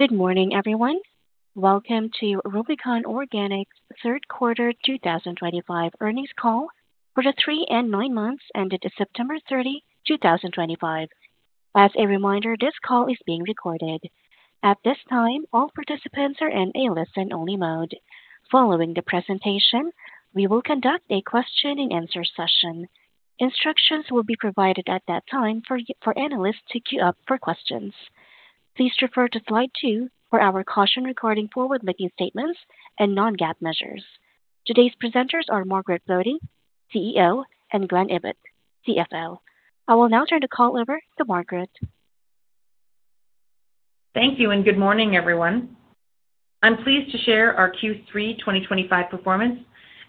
Good morning, everyone. Welcome to Rubicon Organics' third quarter 2025 earnings call for the three and nine months ended September 30, 2025. As a reminder, this call is being recorded. At this time, all participants are in a listen-only mode. Following the presentation, we will conduct a question-and-answer session. Instructions will be provided at that time for analysts to queue up for questions. Please refer to slide two for our caution regarding forward-looking statements and non-GAAP measures. Today's presenters are Margaret Brodie, CEO, and Glen Ibbott, CFO. I will now turn the call over to Margaret. Thank you, and good morning, everyone. I'm pleased to share our Q3 2025 performance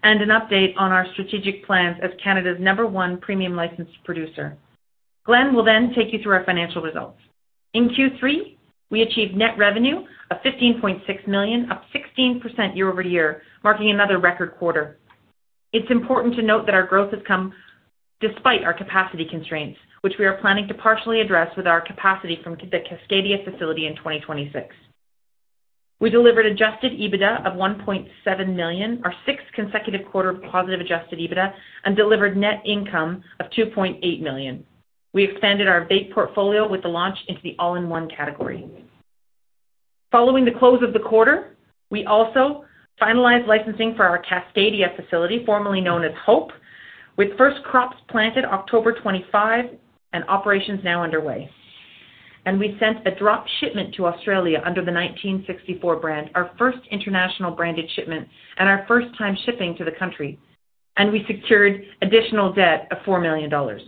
and an update on our strategic plans as Canada's number one premium licensed producer. Glen will then take you through our financial results. In Q3, we achieved net revenue of 15.6 million, up 16% year-over-year, marking another record quarter. It's important to note that our growth has come despite our capacity constraints, which we are planning to partially address with our capacity from the Cascadia facility in 2026. We delivered Adjusted EBITDA of 1.7 million, our sixth consecutive quarter of positive Adjusted EBITDA, and delivered net income of 2.8 million. We expanded our vape portfolio with the launch into the all-in-one category. Following the close of the quarter, we also finalized licensing for our Cascadia facility, formerly known as Hope, with first crops planted October 25 and operations now underway. We sent a drop shipment to Australia under the 1964 brand, our first international branded shipment and our first time shipping to the country. We secured additional debt of 4 million dollars.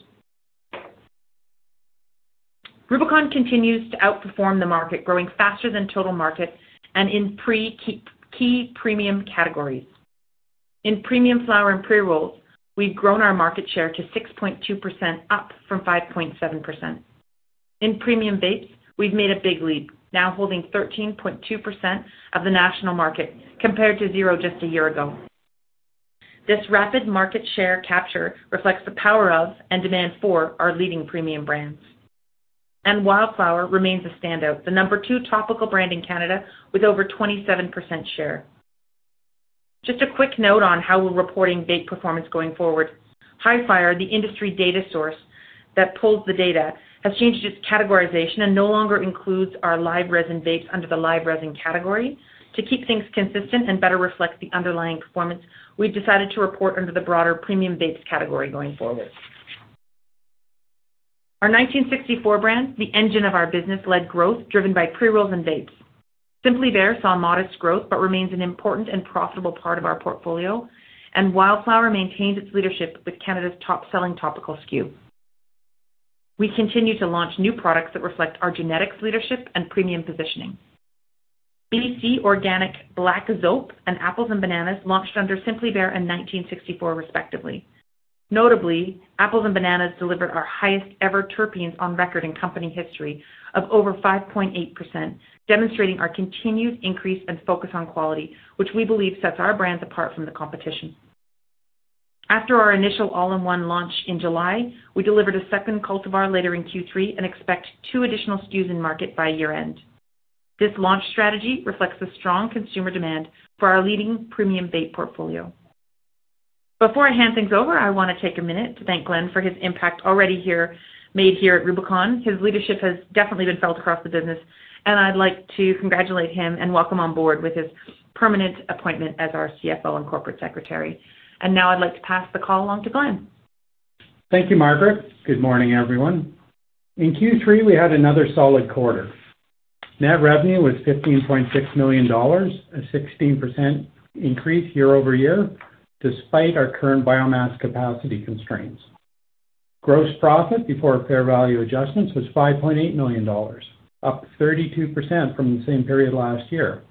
Rubicon continues to outperform the market, growing faster than the total market and in key premium categories. In premium flower and pre-rolls, we have grown our market share to 6.2%, up from 5.7%. In premium vapes, we have made a big leap, now holding 13.2% of the national market compared to zero just a year ago. This rapid market share capture reflects the power of and demand for our leading premium brands. Wildflower remains a standout, the number two topical brand in Canada with over 27% share. Just a quick note on how we are reporting vape performance going forward. Hifyre, the industry data source that pulls the data, has changed its categorization and no longer includes our live resin vapes under the live resin category. To keep things consistent and better reflect the underlying performance, we have decided to report under the broader premium vapes category going forward. Our 1964 brand, the engine of our business, led growth driven by pre-rolls and vapes. Simply Bear saw modest growth but remains an important and profitable part of our portfolio, and Wildflower maintains its leadership with Canada's top-selling topical SKU. We continue to launch new products that reflect our genetics leadership and premium positioning. BC Organic Black Zope and Apples & Bananas launched under Simply Bear and 1964, respectively. Notably, Apples & Bananas delivered our highest-ever terpenes on record in company history of over 5.8%, demonstrating our continued increase and focus on quality, which we believe sets our brand apart from the competition. After our initial all-in-one launch in July, we delivered a second cultivar later in Q3 and expect two additional SKUs in market by year-end. This launch strategy reflects the strong consumer demand for our leading premium vape portfolio. Before I hand things over, I want to take a minute to thank Glen for his impact already made here at Rubicon. His leadership has definitely been felt across the business, and I'd like to congratulate him and welcome on board with his permanent appointment as our CFO and Corporate Secretary. I would like to pass the call along to Glen. Thank you, Margaret. Good morning, everyone. In Q3, we had another solid quarter. Net revenue was 15.6 million dollars, a 16% increase year-over-year despite our current biomass capacity constraints. Gross profit before fair value adjustments was 5.8 million dollars, up 32% from the same period last year.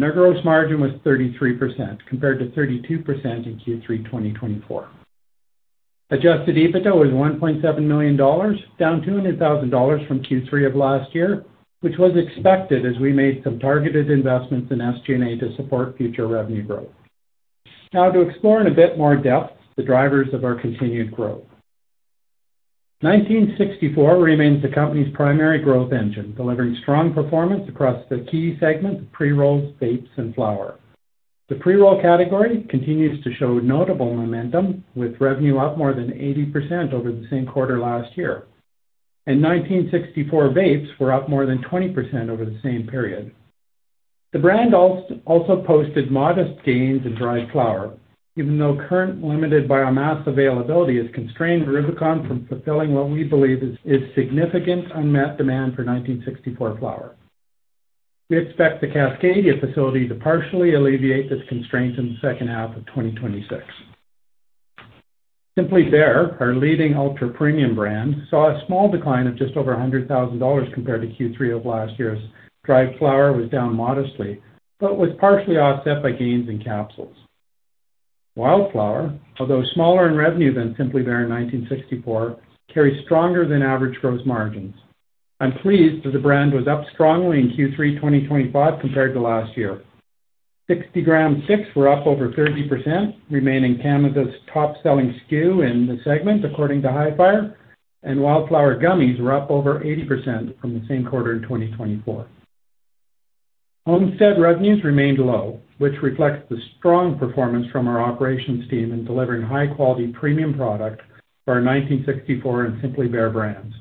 Our gross margin was 33% compared to 32% in Q3 2023. Adjusted EBITDA was 1.7 million dollars, down 200,000 dollars from Q3 of last year, which was expected as we made some targeted investments in SG&A to support future revenue growth. Now to explore in a bit more depth the drivers of our continued growth. 1964 remains the company's primary growth engine, delivering strong performance across the key segments of pre-rolls, vapes, and flower. The pre-roll category continues to show notable momentum, with revenue up more than 80% over the same quarter last year. 1964 vapes were up more than 20% over the same period. The brand also posted modest gains in dried flower, even though current limited biomass availability has constrained Rubicon from fulfilling what we believe is significant unmet demand for 1964 flower. We expect the Cascadia facility to partially alleviate this constraint in the second half of 2026. Simply Bear, our leading ultra-premium brand, saw a small decline of just over 100,000 dollars compared to Q3 of last year's dried flower, was down modestly but was partially offset by gains in capsules. Wildflower, although smaller in revenue than Simply Bear and 1964, carries stronger-than-average gross margins. I'm pleased that the brand was up strongly in Q3 2025 compared to last year. 60 g sticks were up over 30%, remaining Canada's top-selling SKU in the segment according to Hifyre. Wildflower gummies were up over 80% from the same quarter in 2024. Homestead revenues remained low, which reflects the strong performance from our operations team in delivering high-quality premium product for our 1964 and Simply Bear brands.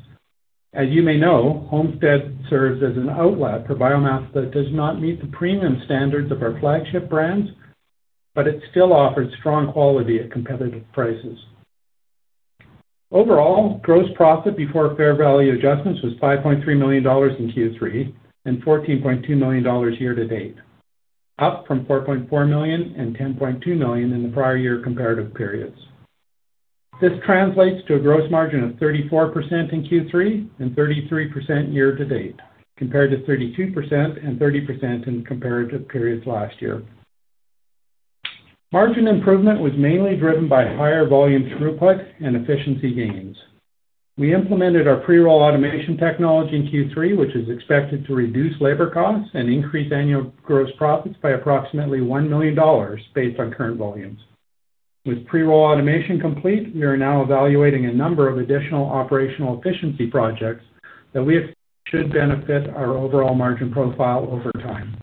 As you may know, Homestead serves as an outlet for biomass that does not meet the premium standards of our flagship brands, but it still offers strong quality at competitive prices. Overall, gross profit before fair value adjustments was 5.3 million dollars in Q3 and 14.2 million dollars year-to-date, up from 4.4 million and 10.2 million in the prior year comparative periods. This translates to a gross margin of 34% in Q3 and 33% year-to-date compared to 32% and 30% in comparative periods last year. Margin improvement was mainly driven by higher volume throughput and efficiency gains. We implemented our pre-roll automation technology in Q3, which is expected to reduce labor costs and increase annual gross profits by approximately 1 million dollars based on current volumes. With pre-roll automation complete, we are now evaluating a number of additional operational efficiency projects that we should benefit our overall margin profile over time.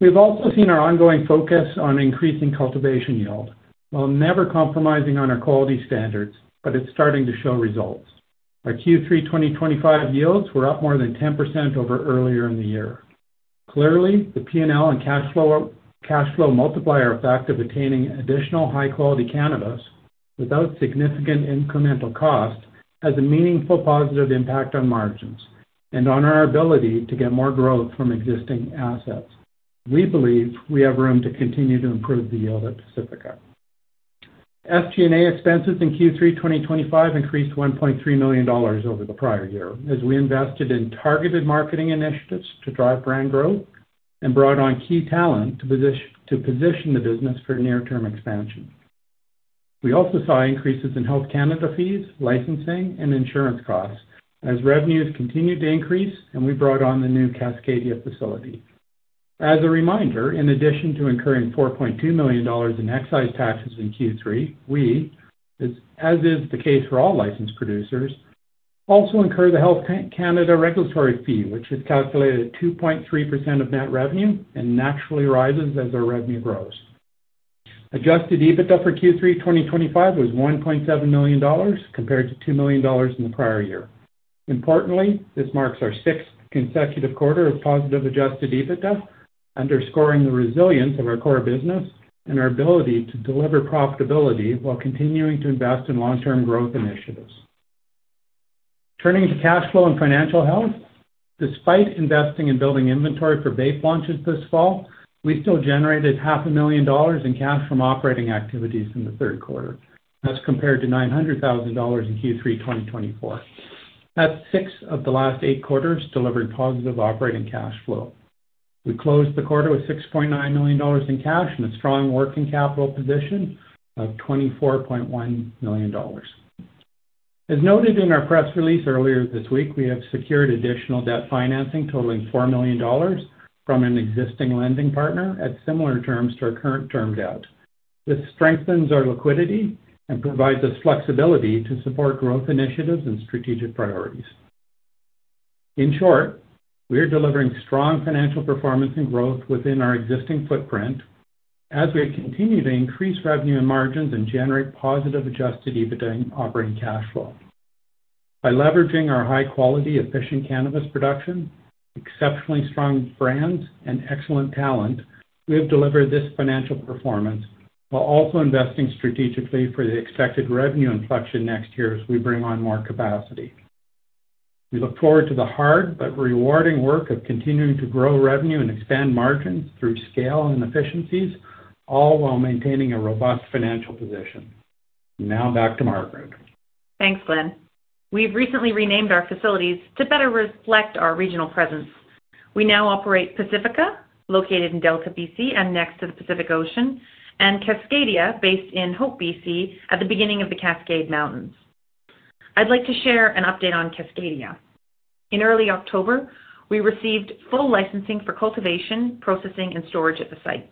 We've also seen our ongoing focus on increasing cultivation yield while never compromising on our quality standards, but it's starting to show results. Our Q3 2025 yields were up more than 10% over earlier in the year. Clearly, the P&L and cash flow multiplier effect of attaining additional high-quality cannabis without significant incremental cost has a meaningful positive impact on margins and on our ability to get more growth from existing assets. We believe we have room to continue to improve the yield at Pacifica. SG&A expenses in Q3 2025 increased 1.3 million dollars over the prior year as we invested in targeted marketing initiatives to drive brand growth and brought on key talent to position the business for near-term expansion. We also saw increases in Health Canada fees, licensing, and insurance costs as revenues continued to increase and we brought on the new Cascadia facility. As a reminder, in addition to incurring 4.2 million dollars in excise taxes in Q3, we, as is the case for all licensed producers, also incur the Health Canada regulatory fee, which is calculated at 2.3% of net revenue and naturally rises as our revenue grows. Adjusted EBITDA for Q3 2025 was 1.7 million dollars compared to 2 million dollars in the prior year. Importantly, this marks our sixth consecutive quarter of positive Adjusted EBITDA, underscoring the resilience of our core business and our ability to deliver profitability while continuing to invest in long-term growth initiatives. Turning to cash flow and financial health, despite investing and building inventory for vape launches this fall, we still generated $500,000 in cash from operating activities in the third quarter, as compared to $900,000 in Q3 2024. That's six of the last eight quarters delivered positive operating cash flow. We closed the quarter with 6.9 million dollars in cash and a strong working capital position of 24.1 million dollars. As noted in our press release earlier this week, we have secured additional debt financing totaling 4 million dollars from an existing lending partner at similar terms to our current term debt. This strengthens our liquidity and provides us flexibility to support growth initiatives and strategic priorities. In short, we are delivering strong financial performance and growth within our existing footprint as we continue to increase revenue and margins and generate positive Adjusted EBITDA and operating cash flow. By leveraging our high-quality, efficient cannabis production, exceptionally strong brands, and excellent talent, we have delivered this financial performance while also investing strategically for the expected revenue inflection next year as we bring on more capacity. We look forward to the hard but rewarding work of continuing to grow revenue and expand margins through scale and efficiencies, all while maintaining a robust financial position. Now back to Margaret. Thanks, Glen. We've recently renamed our facilities to better reflect our regional presence. We now operate Pacifica, located in Delta, B. C. and next to the Pacific Ocean, and Cascadia, based in Hope, B. C. at the beginning of the Cascade Mountains. I'd like to share an update on Cascadia. In early October, we received full licensing for cultivation, processing, and storage at the site.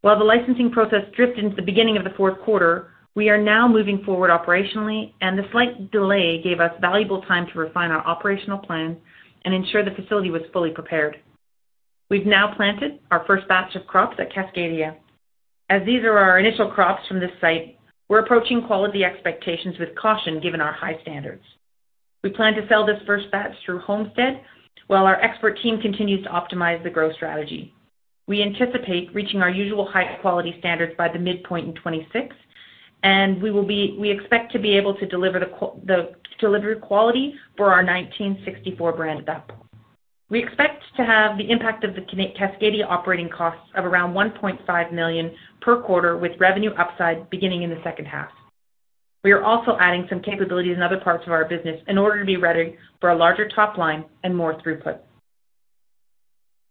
While the licensing process drifted into the beginning of the fourth quarter, we are now moving forward operationally, and the slight delay gave us valuable time to refine our operational plan and ensure the facility was fully prepared. We've now planted our first batch of crops at Cascadia. As these are our initial crops from this site, we're approaching quality expectations with caution given our high standards. We plan to sell this first batch through Homestead while our expert team continues to optimize the growth strategy. We anticipate reaching our usual high-quality standards by the midpoint in 2026, and we expect to be able to deliver quality for our 1964 brand at that point. We expect to have the impact of the Cascadia operating costs of around 1.5 million per quarter with revenue upside beginning in the second half. We are also adding some capabilities in other parts of our business in order to be ready for a larger top line and more throughput.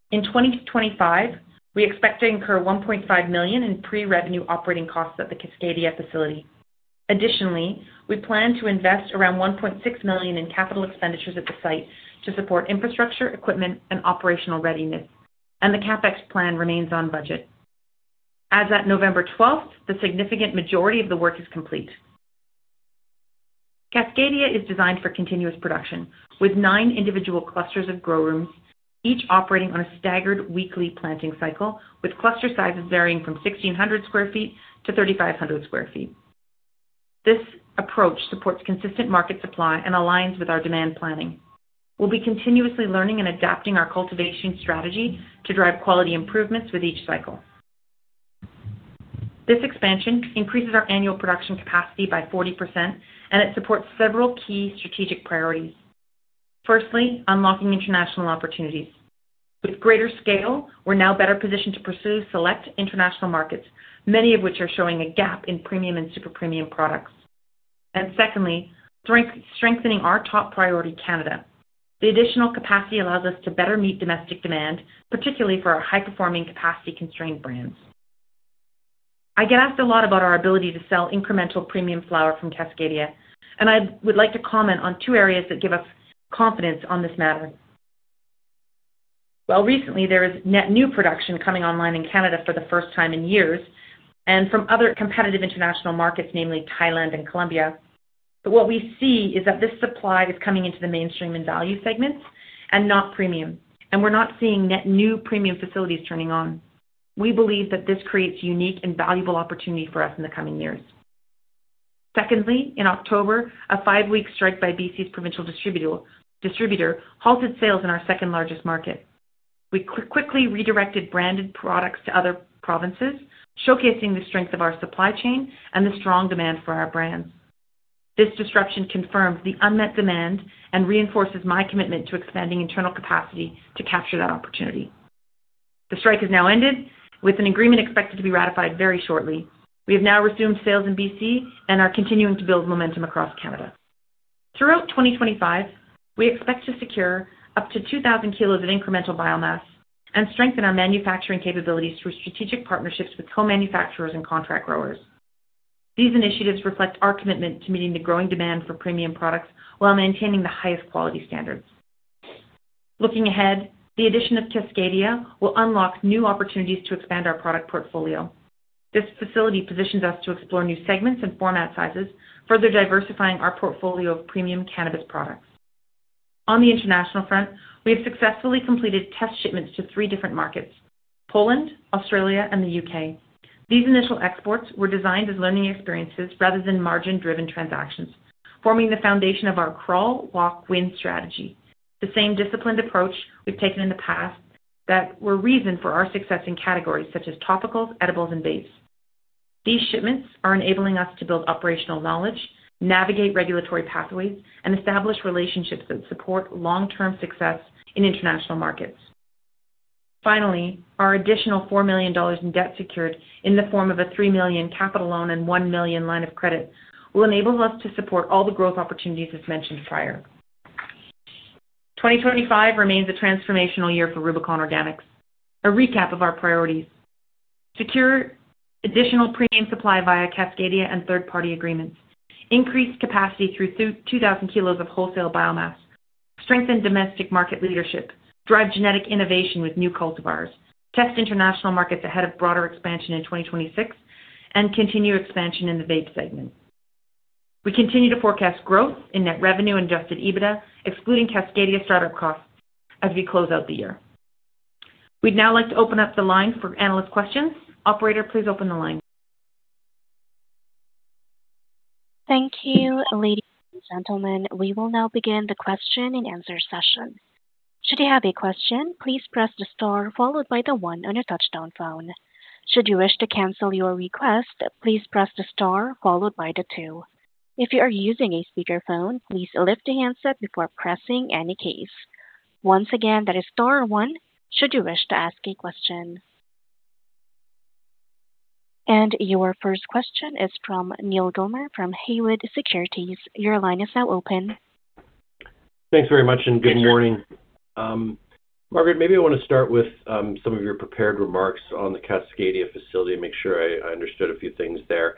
In 2025, we expect to incur 1.5 million in pre-revenue operating costs at the Cascadia facility. Additionally, we plan to invest around 1.6 million in capital expenditures at the site to support infrastructure, equipment, and operational readiness, and the CapEx plan remains on budget. As of November 12, the significant majority of the work is complete. Cascadia is designed for continuous production with nine individual clusters of grow rooms, each operating on a staggered weekly planting cycle with cluster sizes varying from 1,600 sq ft-3,500 sq ft. This approach supports consistent market supply and aligns with our demand planning. We'll be continuously learning and adapting our cultivation strategy to drive quality improvements with each cycle. This expansion increases our annual production capacity by 40%, and it supports several key strategic priorities. Firstly, unlocking international opportunities. With greater scale, we're now better positioned to pursue select international markets, many of which are showing a gap in premium and super premium products. Secondly, strengthening our top priority, Canada. The additional capacity allows us to better meet domestic demand, particularly for our high-performing capacity-constrained brands. I get asked a lot about our ability to sell incremental premium flower from Cascadia, and I would like to comment on two areas that give us confidence on this matter. Recently, there is net new production coming online in Canada for the first time in years and from other competitive international markets, namely Thailand and Colombia. What we see is that this supply is coming into the mainstream and value segments and not premium, and we're not seeing net new premium facilities turning on. We believe that this creates a unique and valuable opportunity for us in the coming years. Secondly, in October, a five-week strike by B. C's provincial distributor halted sales in our second-largest market. We quickly redirected branded products to other provinces, showcasing the strength of our supply chain and the strong demand for our brands. This disruption confirms the unmet demand and reinforces my commitment to expanding internal capacity to capture that opportunity. The strike has now ended with an agreement expected to be ratified very shortly. We have now resumed sales in B. C. and are continuing to build momentum across Canada. Throughout 2025, we expect to secure up to 2,000 kg of incremental biomass and strengthen our manufacturing capabilities through strategic partnerships with co-manufacturers and contract growers. These initiatives reflect our commitment to meeting the growing demand for premium products while maintaining the highest quality standards. Looking ahead, the addition of Cascadia will unlock new opportunities to expand our product portfolio. This facility positions us to explore new segments and format sizes, further diversifying our portfolio of premium cannabis products. On the international front, we have successfully completed test shipments to three different markets: Poland, Australia, and the U.K. These initial exports were designed as learning experiences rather than margin-driven transactions, forming the foundation of our crawl, walk, win strategy. The same disciplined approach we've taken in the past that was reason for our success in categories such as topicals, edibles, and vapes. These shipments are enabling us to build operational knowledge, navigate regulatory pathways, and establish relationships that support long-term success in international markets. Finally, our additional 4 million dollars in debt secured in the form of a 3 million capital loan and 1 million line of credit will enable us to support all the growth opportunities as mentioned prior. 2025 remains a transformational year for Rubicon Organics. A recap of our priorities: secure additional premium supply via Cascadia and third-party agreements, increase capacity through 2,000 kg of wholesale biomass, strengthen domestic market leadership, drive genetic innovation with new cultivars, test international markets ahead of broader expansion in 2026, and continue expansion in the vape segment. We continue to forecast growth in net revenue and Adjusted EBITDA, excluding Cascadia startup costs, as we close out the year. We'd now like to open up the line for analyst questions. Operator, please open the line. Thank you, ladies and gentlemen. We will now begin the question-and-answer session. Should you have a question, please press the star followed by the one on your touch-tone phone. Should you wish to cancel your request, please press the star followed by the two. If you are using a speakerphone, please lift the handset before pressing any keys. Once again, that is star one. Should you wish to ask a question? Your first question is from Neal Gilmer from Haywood Securities. Your line is now open. Thanks very much and good morning. Margaret, maybe I want to start with some of your prepared remarks on the Cascadia facility and make sure I understood a few things there.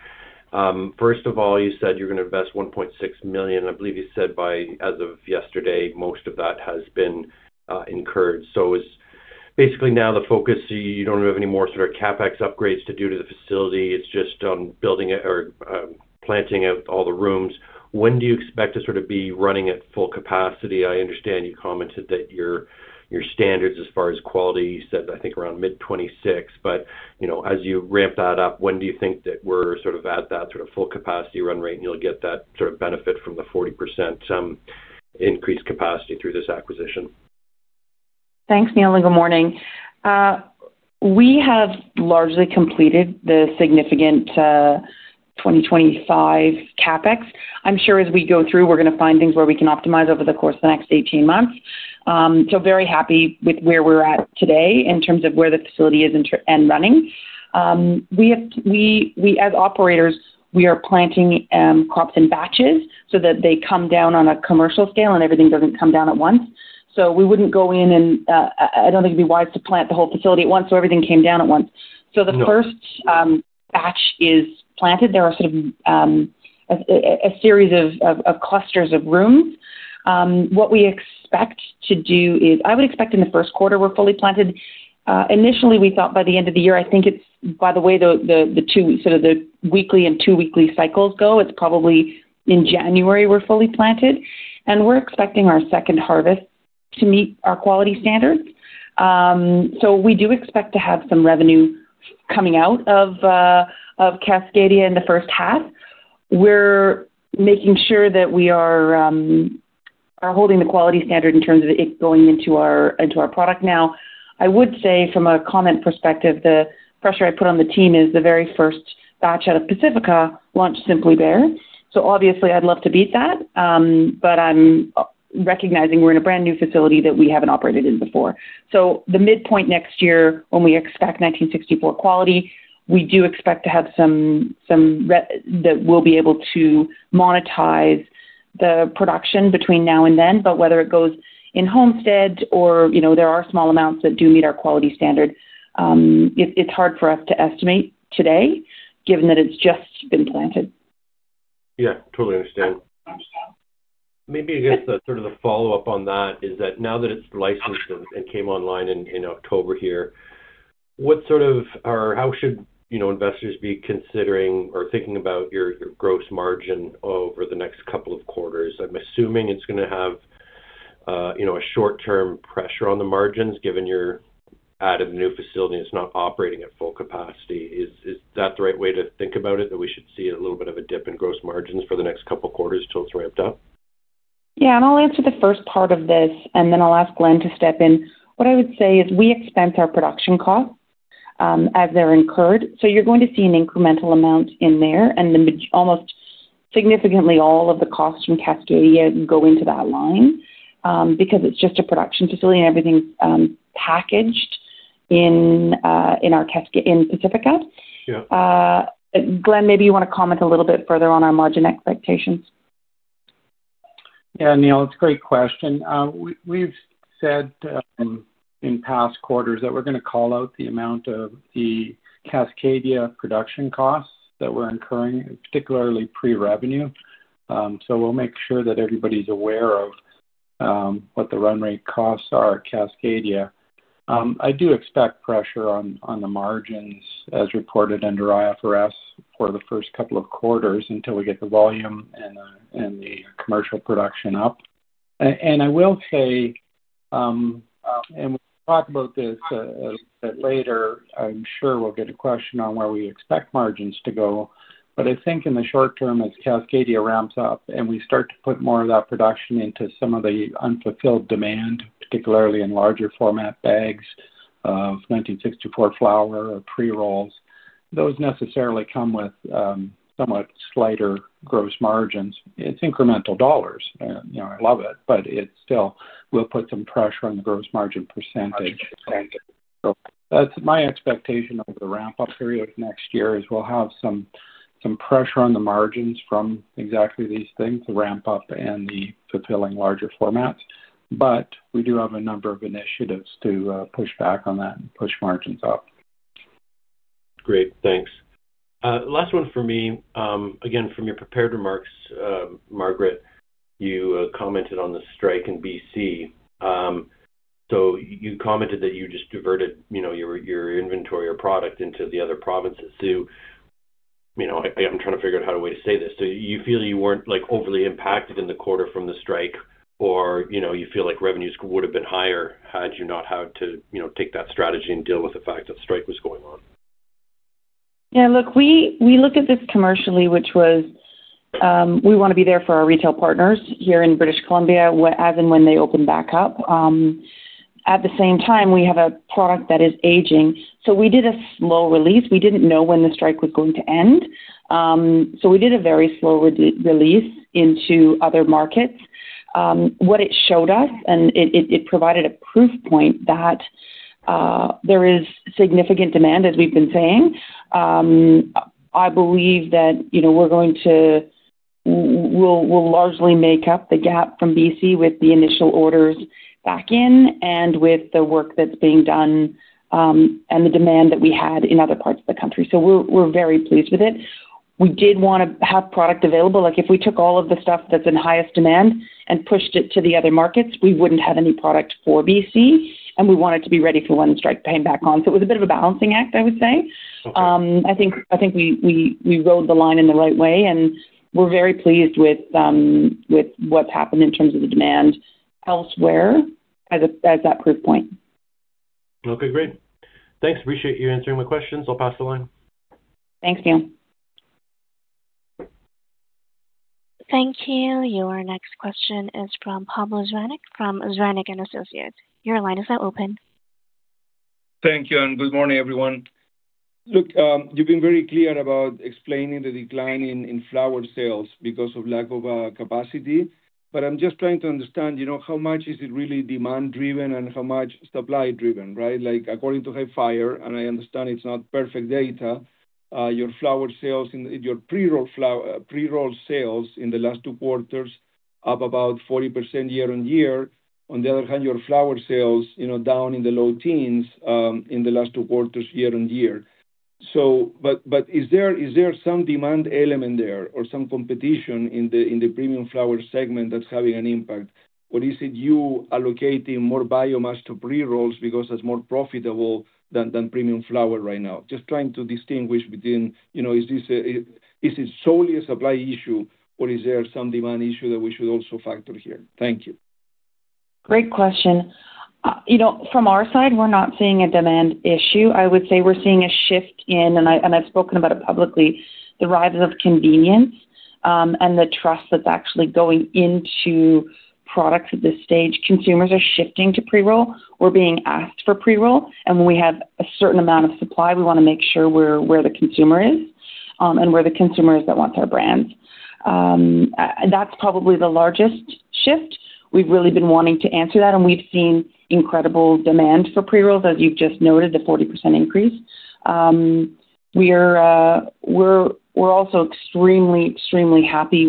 First of all, you said you're going to invest 1.6 million. I believe you said by as of yesterday, most of that has been incurred. So basically now the focus, you don't have any more sort of CapEx upgrades to do to the facility. It's just on building or planting all the rooms. When do you expect to sort of be running at full capacity? I understand you commented that your standards as far as quality, you said I think around mid-2026, but as you ramp that up, when do you think that we're sort of at that sort of full capacity run rate and you'll get that sort of benefit from the 40% increased capacity through this acquisition? Thanks, Neil, and good morning. We have largely completed the significant 2025 CapEx. I'm sure as we go through, we're going to find things where we can optimize over the course of the next 18 months. Very happy with where we're at today in terms of where the facility is and running. As operators, we are planting crops in batches so that they come down on a commercial scale and everything does not come down at once. We would not go in and I do not think it would be wise to plant the whole facility at once so everything came down at once. The first batch is planted. There are sort of a series of clusters of rooms. What we expect to do is I would expect in the first quarter we are fully planted. Initially, we thought by the end of the year, I think it's by the way the sort of the weekly and two-weekly cycles go, it's probably in January we're fully planted. We're expecting our second harvest to meet our quality standards. We do expect to have some revenue coming out of Cascadia in the first half. We're making sure that we are holding the quality standard in terms of it going into our product now. I would say from a comment perspective, the pressure I put on the team is the very first batch out of Pacifica launched SimplyBare. Obviously, I'd love to beat that, but I'm recognizing we're in a brand new facility that we haven't operated in before. The midpoint next year when we expect 1964 quality, we do expect to have some that we'll be able to monetize the production between now and then, but whether it goes in Homestead or there are small amounts that do meet our quality standard, it's hard for us to estimate today given that it's just been planted. Yeah, totally understand. Maybe I guess sort of the follow-up on that is that now that it's licensed and came online in October here, what sort of or how should investors be considering or thinking about your gross margin over the next couple of quarters? I'm assuming it's going to have a short-term pressure on the margins given you're adding a new facility and it's not operating at full capacity. Is that the right way to think about it, that we should see a little bit of a dip in gross margins for the next couple of quarters till it's ramped up? Yeah, and I'll answer the first part of this, and then I'll ask Glen to step in. What I would say is we expense our production costs as they're incurred. You are going to see an incremental amount in there, and almost significantly all of the costs from Cascadia go into that line because it's just a production facility and everything's packaged in Pacifica. Yeah. Glen, maybe you want to comment a little bit further on our margin expectations? Yeah, Neil, it's a great question. We've said in past quarters that we're going to call out the amount of the Cascadia production costs that we're incurring, particularly pre-revenue. We'll make sure that everybody's aware of what the run rate costs are at Cascadia. I do expect pressure on the margins as reported under IFRS for the first couple of quarters until we get the volume and the commercial production up. I will say, and we'll talk about this a little bit later, I'm sure we'll get a question on where we expect margins to go. I think in the short term as Cascadia ramps up and we start to put more of that production into some of the unfulfilled demand, particularly in larger format bags of 1964 flower or pre-rolls, those necessarily come with somewhat slighter gross margins. It's incremental dollars. I love it, but it still will put some pressure on the gross margin percentage. Gotcha. That's my expectation over the ramp-up period next year is we'll have some pressure on the margins from exactly these things, the ramp-up and the fulfilling larger formats. We do have a number of initiatives to push back on that and push margins up. Great. Thanks. Last one for me. Again, from your prepared remarks, Margaret, you commented on the strike in B. C. You commented that you just diverted your inventory or product into the other provinces. I'm trying to figure out how to say this. Do you feel you weren't overly impacted in the quarter from the strike, or do you feel like revenues would have been higher had you not had to take that strategy and deal with the fact that strike was going on? Yeah, look, we look at this commercially, which was we want to be there for our retail partners here in British Columbia as and when they open back up. At the same time, we have a product that is aging. We did a slow release. We did not know when the strike was going to end. We did a very slow release into other markets. What it showed us, it provided a proof point that there is significant demand, as we have been saying. I believe that we are going to largely make up the gap from B. C. with the initial orders back in and with the work that is being done and the demand that we had in other parts of the country. We are very pleased with it. We did want to have product available. If we took all of the stuff that's in highest demand and pushed it to the other markets, we wouldn't have any product for B. C., and we wanted to be ready for when the strike came back on. It was a bit of a balancing act, I would say. I think we rode the line in the right way, and we're very pleased with what's happened in terms of the demand elsewhere as that proof point. Okay, great. Thanks. Appreciate you answering my questions. I'll pass the line. Thanks, Neil. Thank you. Your next question is from Pablo Zuanic from Zuanic & Associates. Your line is now open. Thank you, and good morning, everyone. Look, you've been very clear about explaining the decline in flower sales because of lack of capacity. I'm just trying to understand how much is it really demand-driven and how much supply-driven, right? According to Hifyre, and I understand it's not perfect data, your flower sales, your pre-roll sales in the last two quarters up about 40% year-on-year. On the other hand, your flower sales down in the low teens in the last two quarters year-on-year. Is there some demand element there or some competition in the premium flower segment that's having an impact? Is it you allocating more biomass to pre-rolls because that's more profitable than premium flower right now? Just trying to distinguish between is it solely a supply issue or is there some demand issue that we should also factor here? Thank you. Great question. From our side, we're not seeing a demand issue. I would say we're seeing a shift in, and I've spoken about it publicly, the rise of convenience and the trust that's actually going into products at this stage. Consumers are shifting to pre-roll. We're being asked for pre-roll. When we have a certain amount of supply, we want to make sure we're where the consumer is and where the consumer is that wants our brands. That's probably the largest shift. We've really been wanting to answer that, and we've seen incredible demand for pre-rolls, as you've just noted, the 40% increase. We're also extremely, extremely happy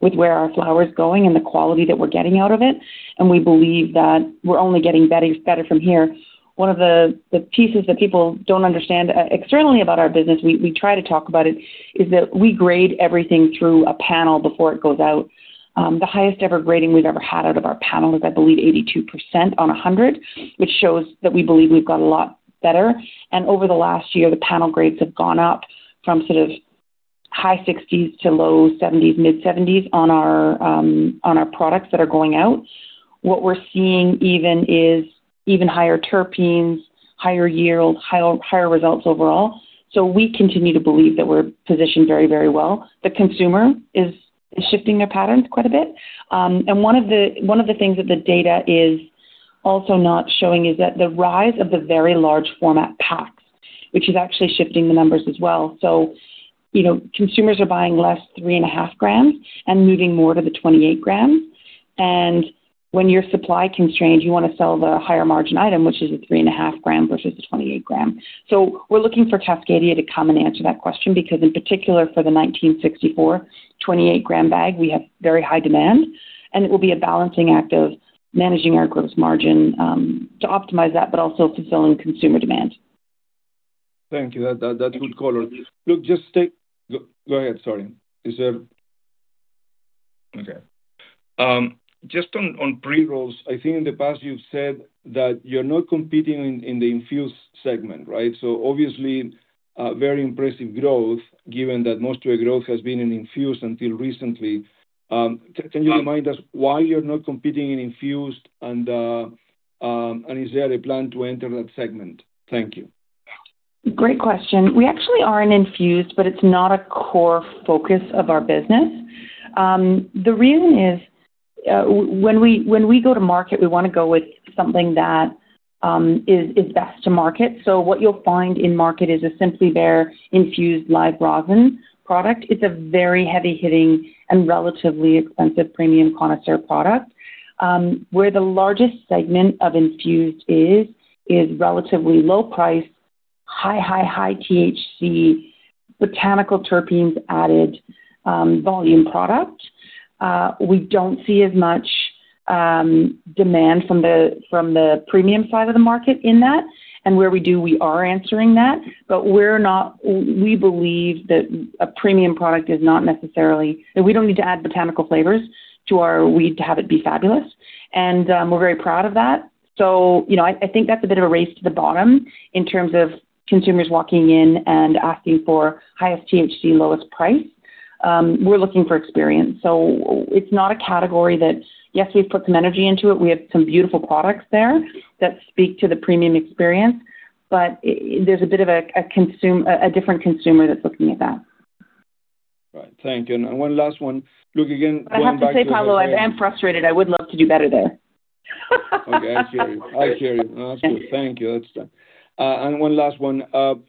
with where our flower is going and the quality that we're getting out of it. We believe that we're only getting better from here. One of the pieces that people do not understand externally about our business, we try to talk about it, is that we grade everything through a panel before it goes out. The highest ever grading we have ever had out of our panel is, I believe, 82% on 100%, which shows that we believe we have got a lot better. Over the last year, the panel grades have gone up from sort of high 60%s to low 70%s, mid-70%s on our products that are going out. What we are seeing even is even higher terpenes, higher yield, higher results overall. We continue to believe that we are positioned very, very well. The consumer is shifting their patterns quite a bit. One of the things that the data is also not showing is the rise of the very large format packs, which is actually shifting the numbers as well. Consumers are buying less 3.5 g and moving more to the 28 g. When you are supply constrained, you want to sell the higher margin item, which is a 3.5 g versus the 28 g. We are looking for Cascadia to come and answer that question because, in particular, for the 1964 28 g bag, we have very high demand. It will be a balancing act of managing our gross margin to optimize that, but also fulfilling consumer demand. Thank you. That would color. Look, just go ahead, sorry. Okay. Just on pre-rolls, I think in the past you've said that you're not competing in the infused segment, right? So obviously, very impressive growth given that most of your growth has been in infused until recently. Can you remind us why you're not competing in infused and is there a plan to enter that segment? Thank you. Great question. We actually are in infused, but it's not a core focus of our business. The reason is when we go to market, we want to go with something that is best to market. What you'll find in market is a SimplyBare infused live rosin product. It's a very heavy-hitting and relatively expensive premium connoisseur product. Where the largest segment of infused is, is relatively low-priced, high, high, high THC, botanical terpenes added volume product. We don't see as much demand from the premium side of the market in that. Where we do, we are answering that. We believe that a premium product is not necessarily that we don't need to add botanical flavors to our weed to have it be fabulous. We're very proud of that. I think that's a bit of a race to the bottom in terms of consumers walking in and asking for highest THC, lowest price. We're looking for experience. It's not a category that, yes, we've put some energy into it. We have some beautiful products there that speak to the premium experience, but there's a bit of a different consumer that's looking at that. Right. Thank you. And one last one. Look, again, going back to. I have to say, Pablo, I'm frustrated. I would love to do better there. Okay. I hear you. I hear you. That's good. Thank you. That's fine. One last one.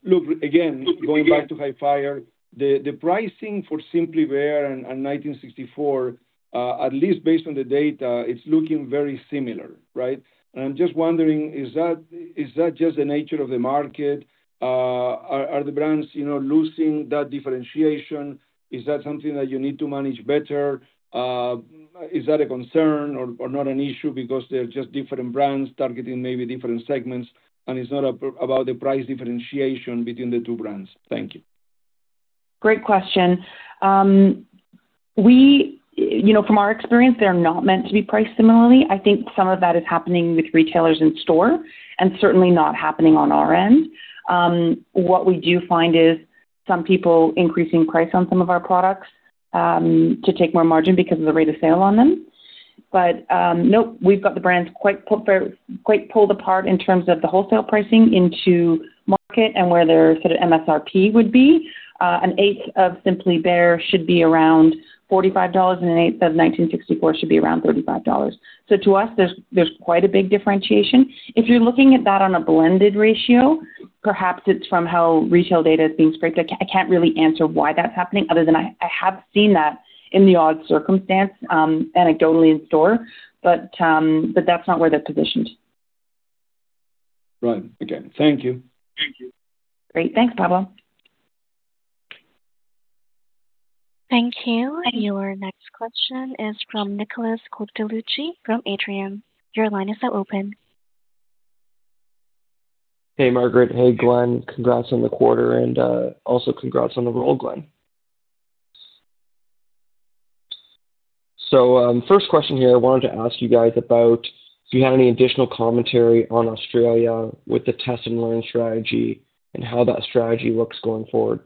Look, again, going back to Hifyre, the pricing for SimplyBare and 1964, at least based on the data, it's looking very similar, right? I'm just wondering, is that just the nature of the market? Are the brands losing that differentiation? Is that something that you need to manage better? Is that a concern or not an issue because they're just different brands targeting maybe different segments? It's not about the price differentiation between the two brands. Thank you. Great question. From our experience, they're not meant to be priced similarly. I think some of that is happening with retailers in store and certainly not happening on our end. What we do find is some people increasing price on some of our products to take more margin because of the rate of sale on them. Nope, we've got the brands quite pulled apart in terms of the wholesale pricing into market and where their sort of MSRP would be. An eighth of SimplyBare should be around 45 dollars, and an eighth of 1964 should be around 35 dollars. To us, there's quite a big differentiation. If you're looking at that on a blended ratio, perhaps it's from how retail data is being scraped. I can't really answer why that's happening other than I have seen that in the odd circumstance anecdotally in store, but that's not where they're positioned. Right. Okay. Thank you. Thank you. Great. Thanks, Pablo. Thank you. Your next question is from Nicholas Cortellucci from Atrium. Your line is now open. Hey, Margaret. Hey, Glenn. Congrats on the quarter, and also congrats on the roll, Glenn. First question here, I wanted to ask you guys about if you had any additional commentary on Australia with the test and learn strategy and how that strategy looks going forward.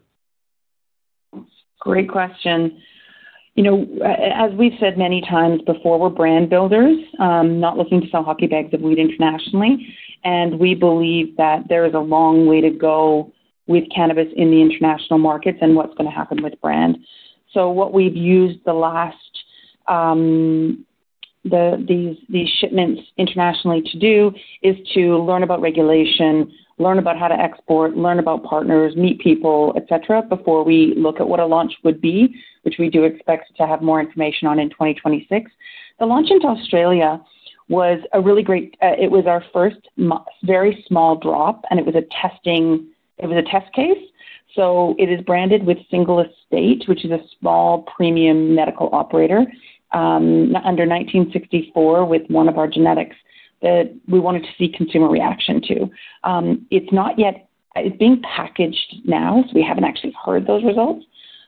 Great question. As we've said many times before, we're brand builders, not looking to sell hockey bags of weed internationally. We believe that there is a long way to go with cannabis in the international markets and what's going to happen with brand. What we've used these last shipments internationally to do is to learn about regulation, learn about how to export, learn about partners, meet people, etc., before we look at what a launch would be, which we do expect to have more information on in 2026. The launch into Australia was really great. It was our first very small drop, and it was a test case. It is branded with Singlestate, which is a small premium medical operator under 1964 with one of our genetics that we wanted to see consumer reaction to. It's not yet. It's being packaged now, so we haven't actually heard those results,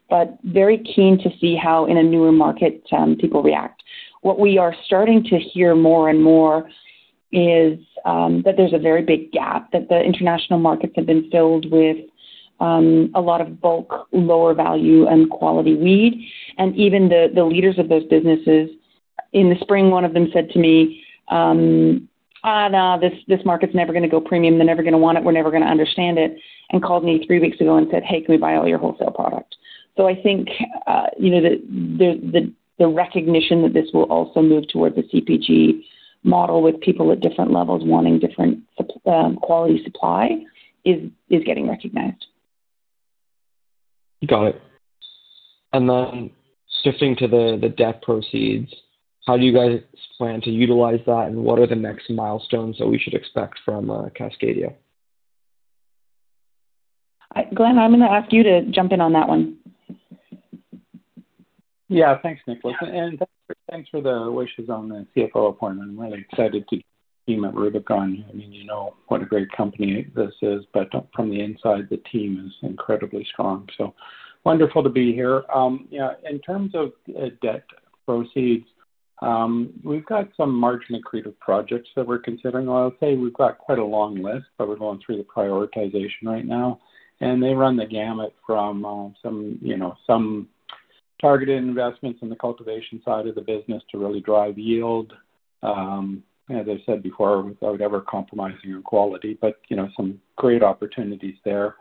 but very keen to see how in a newer market people react. What we are starting to hear more and more is that there's a very big gap, that the international markets have been filled with a lot of bulk, lower value, and quality weed. Even the leaders of those businesses, in the spring, one of them said to me, "Nah, this market's never going to go premium. They're never going to want it. We're never going to understand it," and called me three weeks ago and said, "Hey, can we buy all your wholesale product?" I think the recognition that this will also move towards the CPG model, with people at different levels wanting different quality supply, is getting recognized. Got it. Then shifting to the debt proceeds, how do you guys plan to utilize that, and what are the next milestones that we should expect from Cascadia? Glenn, I'm going to ask you to jump in on that one. Yeah. Thanks, Nicholas. And thanks for the wishes on the CFO appointment. I'm really excited to team up with Rubicon. I mean, you know what a great company this is, but from the inside, the team is incredibly strong. So wonderful to be here. In terms of debt proceeds, we've got some margin accretive projects that we're considering. I'll say we've got quite a long list, but we're going through the prioritization right now. They run the gamut from some targeted investments in the cultivation side of the business to really drive yield, as I said before, without ever compromising on quality. Some great opportunities there.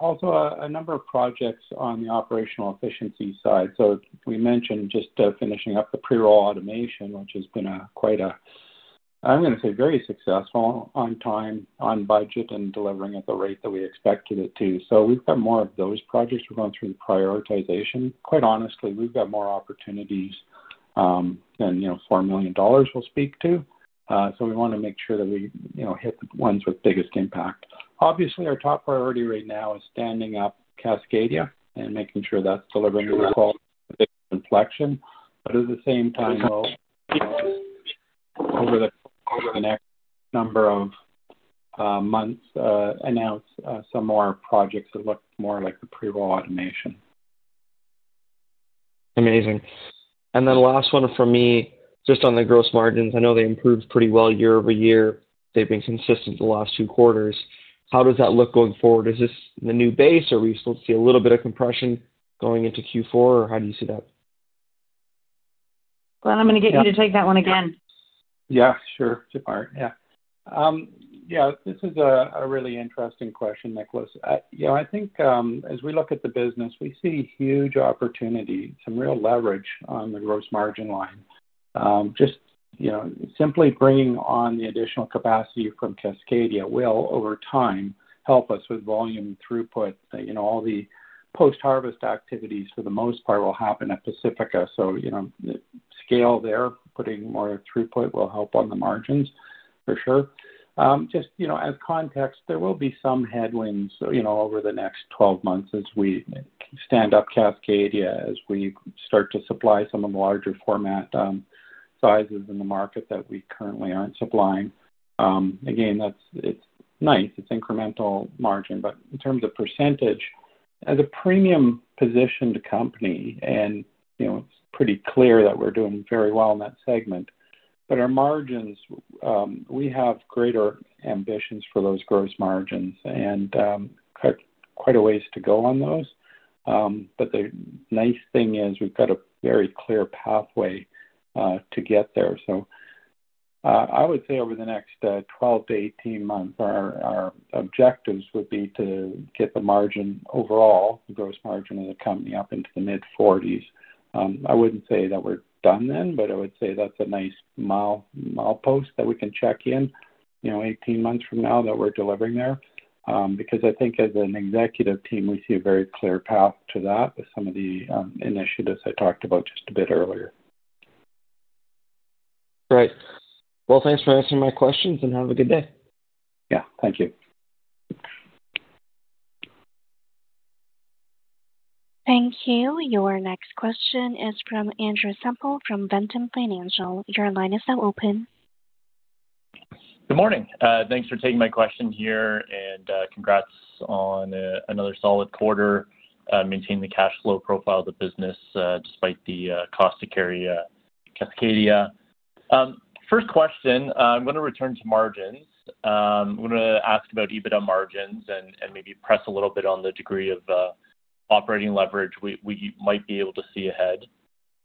Also a number of projects on the operational efficiency side. We mentioned just finishing up the pre-roll automation, which has been quite a, I'm going to say, very successful on time, on budget, and delivering at the rate that we expected it to. We've got more of those projects. We're going through the prioritization. Quite honestly, we've got more opportunities than 4 million dollars will speak to. We want to make sure that we hit the ones with biggest impact. Obviously, our top priority right now is standing up Cascadia and making sure that's delivering the quality and flexion. At the same time, over the next number of months, we'll announce some more projects that look more like the pre-roll automation. Amazing. And then last one for me, just on the gross margins. I know they improved pretty well year over year. They've been consistent the last two quarters. How does that look going forward? Is this the new base, or are we still seeing a little bit of compression going into Q4, or how do you see that? Glenn, I'm going to get you to take that one again. Yeah. Sure. Should fire. Yeah. Yeah. This is a really interesting question, Nicholas. I think as we look at the business, we see huge opportunity, some real leverage on the gross margin line. Just simply bringing on the additional capacity from Cascadia will, over time, help us with volume throughput. All the post-harvest activities, for the most part, will happen at Pacifica. Scale there, putting more throughput will help on the margins, for sure. Just as context, there will be some headwinds over the next 12 months as we stand up Cascadia, as we start to supply some of the larger format sizes in the market that we currently are not supplying. Again, it is nice. It is incremental margin. In terms of percentage, as a premium positioned company, and it is pretty clear that we are doing very well in that segment. Our margins, we have greater ambitions for those gross margins and quite a ways to go on those. The nice thing is we've got a very clear pathway to get there. I would say over the next 12-18 months, our objectives would be to get the margin overall, the gross margin of the company up into the mid-40s. I would not say that we're done then, but I would say that's a nice milepost that we can check in 18 months from now that we're delivering there. I think as an executive team, we see a very clear path to that with some of the initiatives I talked about just a bit earlier. Great. Thanks for answering my questions, and have a good day. Yeah. Thank you. Thank you. Your next question is from Andrew Semple from Ventum Financial. Your line is now open. Good morning. Thanks for taking my question here. And congrats on another solid quarter, maintaining the cash flow profile of the business despite the cost to carry Cascadia. First question, I'm going to return to margins. I'm going to ask about EBITDA margins and maybe press a little bit on the degree of operating leverage we might be able to see ahead.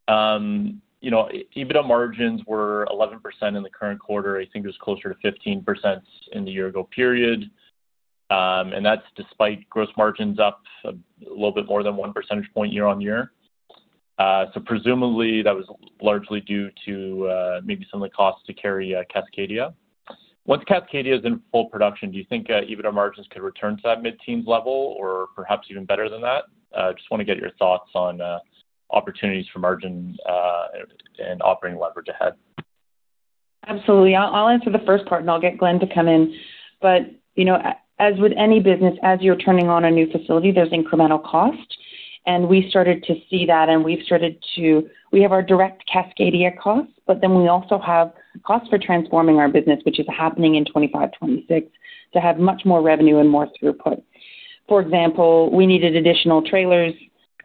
EBITDA margins were 11% in the current quarter. I think it was closer to 15% in the year-ago period. And that's despite gross margins up a little bit more than one percentage point year on year. So presumably, that was largely due to maybe some of the cost to carry Cascadia. Once Cascadia is in full production, do you think EBITDA margins could return to that mid-teens level or perhaps even better than that? Just want to get your thoughts on opportunities for margin and operating leverage ahead. Absolutely. I'll answer the first part, and I'll get Glenn to come in. As with any business, as you're turning on a new facility, there's incremental cost. We started to see that, and we've started to, we have our direct Cascadia costs, but then we also have costs for transforming our business, which is happening in 2025, 2026, to have much more revenue and more throughput. For example, we needed additional trailers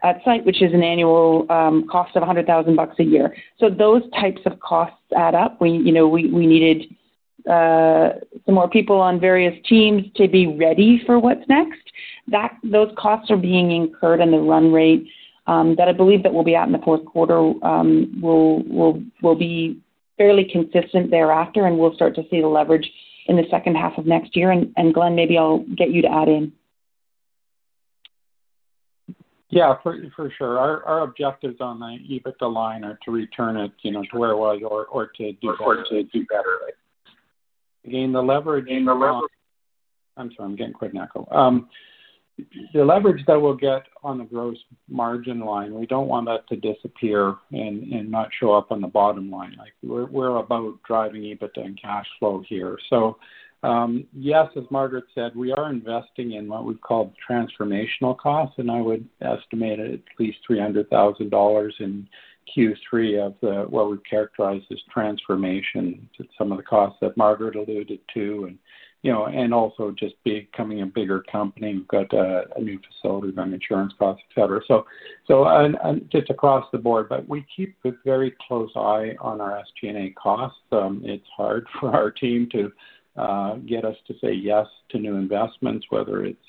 at site, which is an annual cost of 100,000 bucks a year. Those types of costs add up. We needed some more people on various teams to be ready for what's next. Those costs are being incurred in the run rate that I believe that we'll be at in the fourth quarter will be fairly consistent thereafter, and we'll start to see the leverage in the second half of next year. Glenn, maybe I'll get you to add in. Yeah. For sure. Our objectives on the EBITDA line are to return it to where it was or to do better. Again, the leverage. Again, the leverage. I'm sorry. I'm getting quite knackered. The leverage that we'll get on the gross margin line, we don't want that to disappear and not show up on the bottom line. We're about driving EBITDA and cash flow here. Yes, as Margaret said, we are investing in what we've called transformational costs, and I would estimate at least 300,000 dollars in Q3 of what we've characterized as transformation. Some of the costs that Margaret alluded to and also just becoming a bigger company. We've got a new facility on insurance costs, etc. It's across the board, but we keep a very close eye on our SG&A costs. It's hard for our team to get us to say yes to new investments, whether it's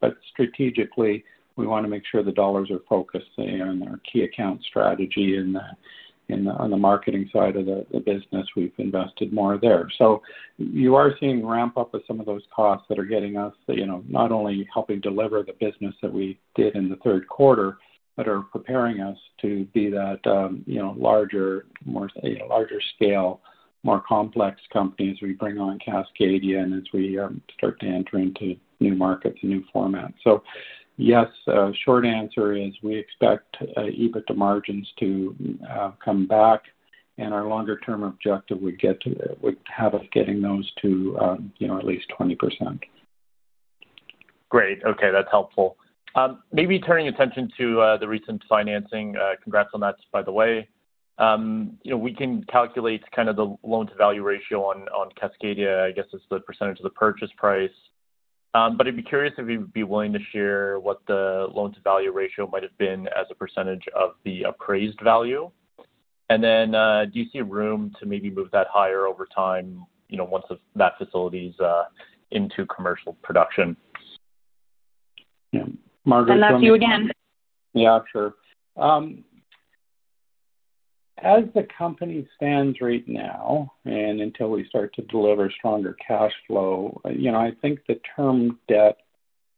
but strategically, we want to make sure the dollars are focused on our key account strategy. On the marketing side of the business, we've invested more there. You are seeing ramp up of some of those costs that are getting us not only helping deliver the business that we did in the third quarter, but are preparing us to be that larger, more scale, more complex company as we bring on Cascadia and as we start to enter into new markets and new formats. Yes, short answer is we expect EBITDA margins to come back, and our longer-term objective would have us getting those to at least 20%. Great. Okay. That's helpful. Maybe turning attention to the recent financing. Congrats on that, by the way. We can calculate kind of the loan-to-value ratio on Cascadia. I guess it's the percentage of the purchase price. I'd be curious if you'd be willing to share what the loan-to-value ratio might have been as a percentage of the appraised value. Do you see room to maybe move that higher over time once that facility's into commercial production? Yeah. Margaret's going to. I'll ask you again. Yeah. Sure. As the company stands right now and until we start to deliver stronger cash flow, I think the term debt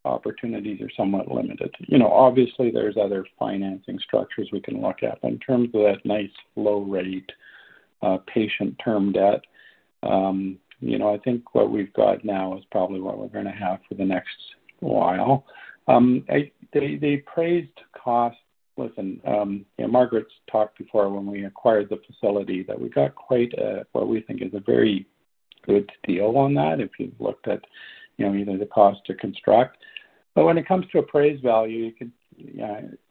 opportunities are somewhat limited. Obviously, there's other financing structures we can look at. In terms of that nice low-rate, patient term debt, I think what we've got now is probably what we're going to have for the next while. The appraised cost, listen, Margaret's talked before when we acquired the facility that we got quite what we think is a very good deal on that if you've looked at either the cost to construct. When it comes to appraised value,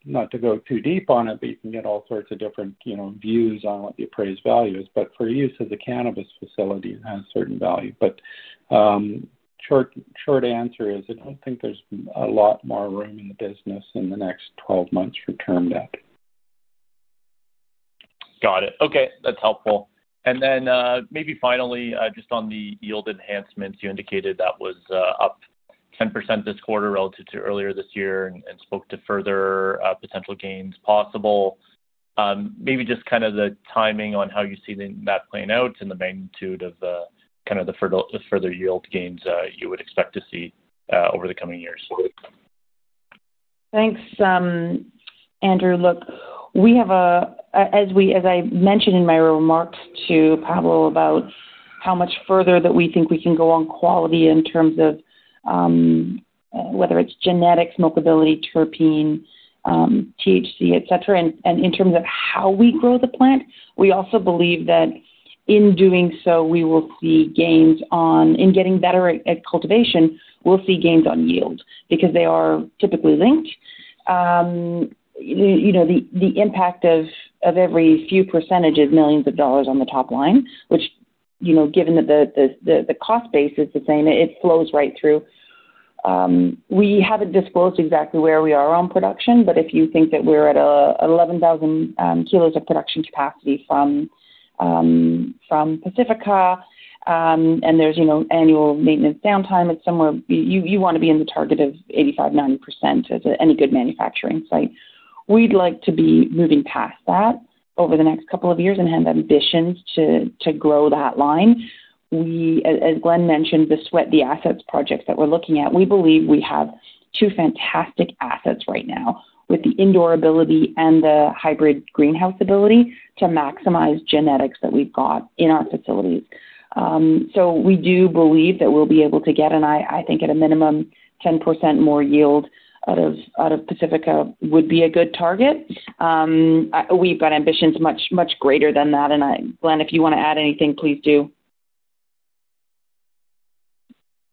not to go too deep on it, you can get all sorts of different views on what the appraised value is. For use as a cannabis facility, it has certain value. Short answer is I don't think there's a lot more room in the business in the next 12 months for term debt. Got it. Okay. That is helpful. Maybe finally, just on the yield enhancements, you indicated that was up 10% this quarter relative to earlier this year and spoke to further potential gains possible. Maybe just kind of the timing on how you see that playing out and the magnitude of the further yield gains you would expect to see over the coming years. Thanks, Andrew. Look, we have a, as I mentioned in my remarks to Pablo about how much further that we think we can go on quality in terms of whether it's genetics, mobility, terpene, THC, etc. In terms of how we grow the plant, we also believe that in doing so, we will see gains on in getting better at cultivation, we'll see gains on yield because they are typically linked. The impact of every few percentage is millions of dollars on the top line, which given that the cost base is the same, it flows right through. We haven't disclosed exactly where we are on production, but if you think that we're at 11,000 kg of production capacity from Pacifica, and there's annual maintenance downtime, it's somewhere you want to be in the target of 85%-90% at any good manufacturing site. We'd like to be moving past that over the next couple of years and have ambitions to grow that line. As Glen mentioned, the sweat the assets projects that we're looking at, we believe we have two fantastic assets right now with the indoor ability and the hybrid greenhouse ability to maximize genetics that we've got in our facilities. We do believe that we'll be able to get, and I think at a minimum, 10% more yield out of Pacifica would be a good target. We've got ambitions much, much greater than that. Glen, if you want to add anything, please do.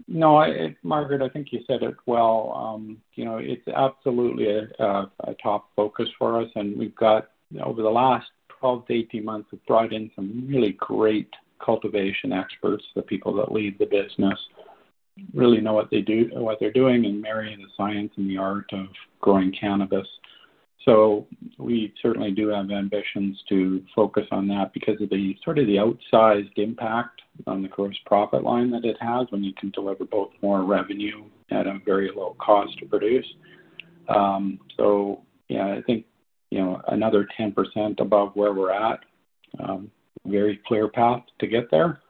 No. Margaret, I think you said it well. It's absolutely a top focus for us. We've got over the last 12-18 months, we've brought in some really great cultivation experts, the people that lead the business really know what they're doing and marrying the science and the art of growing cannabis. We certainly do have ambitions to focus on that because of the sort of the outsized impact on the gross profit line that it has when you can deliver both more revenue at a very low cost to produce. Yeah, I think another 10% above where we're at, very clear path to get there.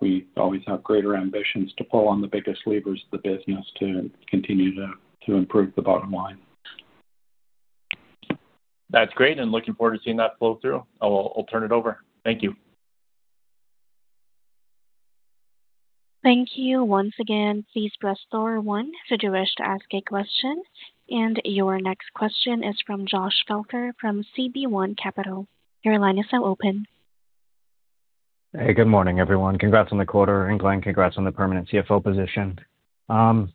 We always have greater ambitions to pull on the biggest levers of the business to continue to improve the bottom line. That's great. Looking forward to seeing that flow through. I'll turn it over. Thank you. Thank you. Once again, please press star one if you wish to ask a question. Your next question is from Josh Felker from CB1 Capital. Your line is now open. Hey. Good morning, everyone. Congrats on the quarter. Glenn, congrats on the permanent CFO position. I'm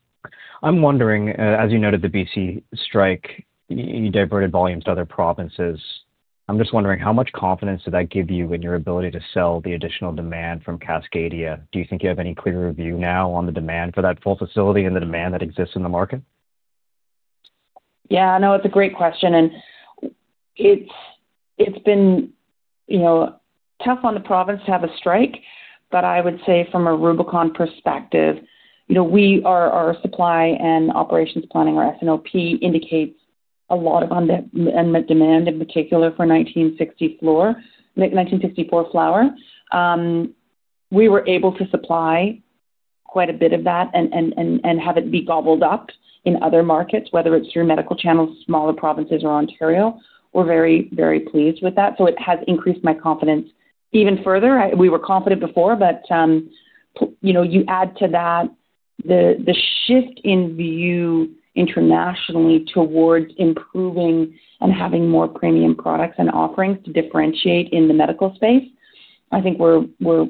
wondering, as you noted the B. C. strike, you diverted volumes to other provinces. I'm just wondering, how much confidence did that give you in your ability to sell the additional demand from Cascadia? Do you think you have any clearer view now on the demand for that full facility and the demand that exists in the market? Yeah. No, it's a great question. It's been tough on the province to have a strike. I would say from a Rubicon perspective, our supply and operations planning, our S&OP, indicates a lot of unmet demand, in particular for 1964 flower. We were able to supply quite a bit of that and have it be gobbled up in other markets, whether it's through medical channels, smaller provinces, or Ontario. We're very, very pleased with that. It has increased my confidence even further. We were confident before, but you add to that the shift in view internationally towards improving and having more premium products and offerings to differentiate in the medical space. I think we're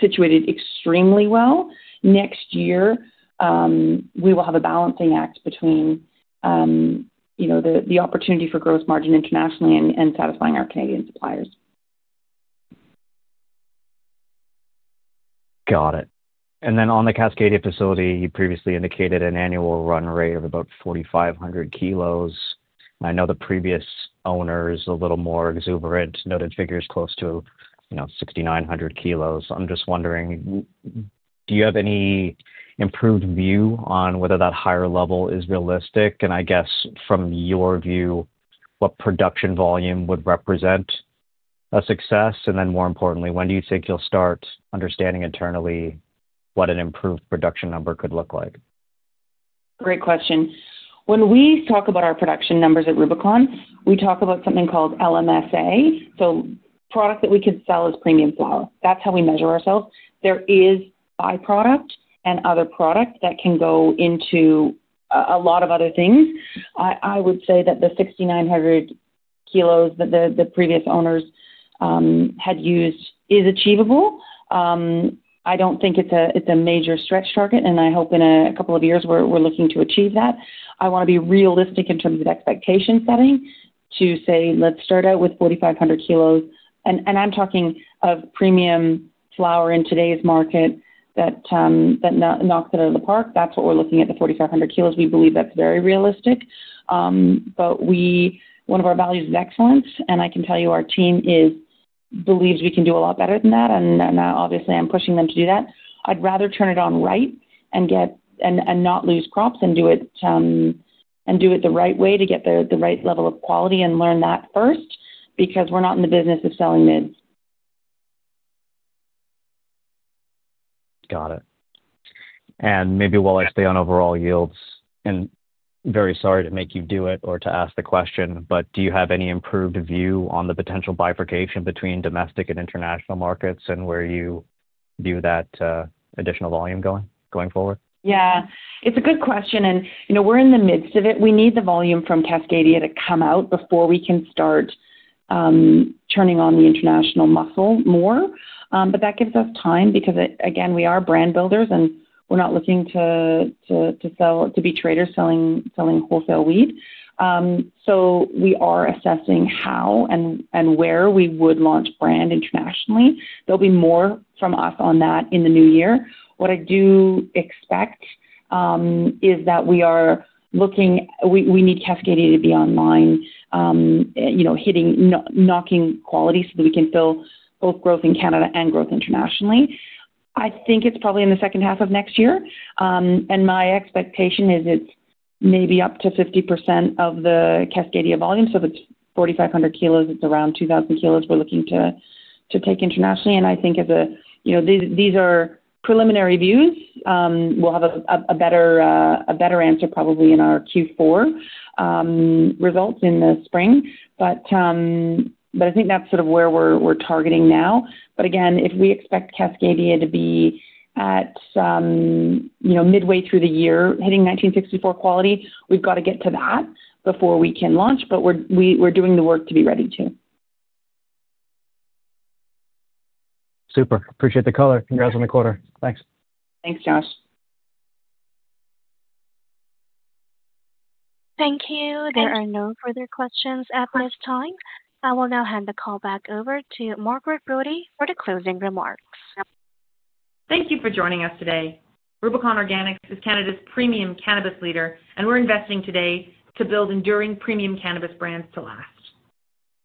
situated extremely well. Next year, we will have a balancing act between the opportunity for gross margin internationally and satisfying our Canadian suppliers. Got it. On the Cascadia facility, you previously indicated an annual run rate of about 4,500 kg. I know the previous owner is a little more exuberant, noted figures close to 6,900 kg. I'm just wondering, do you have any improved view on whether that higher level is realistic? I guess from your view, what production volume would represent a success? More importantly, when do you think you'll start understanding internally what an improved production number could look like? Great question. When we talk about our production numbers at Rubicon, we talk about something called LMSA, so product that we can sell as premium flower. That's how we measure ourselves. There is byproduct and other product that can go into a lot of other things. I would say that the 6,900 kg that the previous owners had used is achievable. I don't think it's a major stretch target, and I hope in a couple of years we're looking to achieve that. I want to be realistic in terms of expectation setting to say, "Let's start out with 4,500 kg." I am talking of premium flower in today's market that knocks it out of the park. That's what we're looking at, the 4,500 kg. We believe that's very realistic. One of our values is excellence, and I can tell you our team believes we can do a lot better than that. Obviously, I'm pushing them to do that. I'd rather turn it on right and not lose crops and do it the right way to get the right level of quality and learn that first because we're not in the business of selling mids. Got it. Maybe while I stay on overall yields, and very sorry to make you do it or to ask the question, but do you have any improved view on the potential bifurcation between domestic and international markets and where you view that additional volume going forward? Yeah. It's a good question. We're in the midst of it. We need the volume from Cascadia to come out before we can start turning on the international muscle more. That gives us time because, again, we are brand builders, and we're not looking to be traders selling wholesale weed. We are assessing how and where we would launch brand internationally. There will be more from us on that in the new year. What I do expect is that we are looking, we need Cascadia to be online hitting, knocking quality so that we can fill both growth in Canada and growth internationally. I think it's probably in the second half of next year. My expectation is it's maybe up to 50% of the Cascadia volume. If it's 4,500 kg, it's around 2,000 kg we're looking to take internationally. These are preliminary views. We'll have a better answer probably in our Q4 results in the spring. I think that's sort of where we're targeting now. Again, if we expect Cascadia to be at midway through the year hitting 1964 quality, we've got to get to that before we can launch. We're doing the work to be ready to. Super. Appreciate the color. Congrats on the quarter. Thanks. Thanks, Josh. Thank you. There are no further questions at this time. I will now hand the call back over to Margaret Brodie for the closing remarks. Thank you for joining us today. Rubicon Organics is Canada's premium cannabis leader, and we're investing today to build enduring premium cannabis brands to last.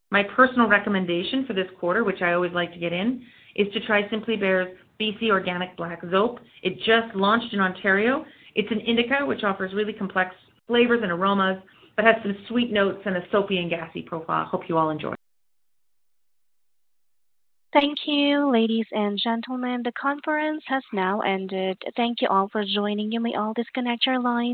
My personal recommendation for this quarter, which I always like to get in, is to try Simply Bare's BC Organic Black Zope. It just launched in Ontario. It's an indica which offers really complex flavors and aromas but has some sweet notes and a soapy and gassy profile. Hope you all enjoy. Thank you, ladies and gentlemen. The conference has now ended. Thank you all for joining. You may all disconnect your lines.